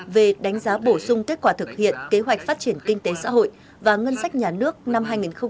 về đánh giá bổ sung kết quả thực hiện kế hoạch phát triển kinh tế xã hội và ngân sách nhà nước năm hai nghìn một mươi chín